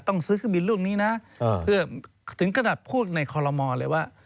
ต้องซื้อเครื่องบินรุ่นนี้นะถึงกระดับพูดในคอลโลมอล์เลยว่า